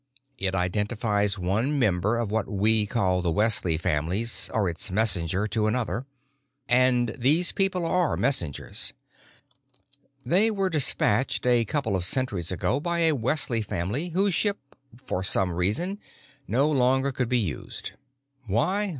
It identifies one member of what we call the Wesley families, or its messenger, to another. And these people are messengers. They were dispatched a couple of centuries ago by a Wesley family whose ship, for some reason, no longer could be used. Why?